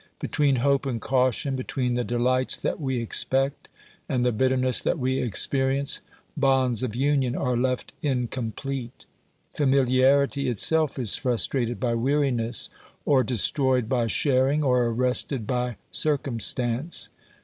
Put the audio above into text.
Between hope and caution, between the delights that we expect and the bitterness that we experience, bonds of union are left incomplete. Familiarity itself is frustrated by weariness, or destroyed by sharing, or arrested by cir cumstance.